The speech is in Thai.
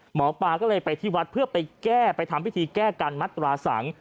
หมอปลาก็เลยไปที่วัดเพื่อไปแก้ไปทำพิธีแก้กันมัตราสัง